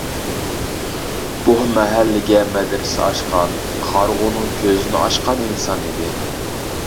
بۇ مەھەللىگە مەدرىسە ئاچقان، قارىغۇنىڭ كۆزىنى ئاچقان ئىنسان ئىدى.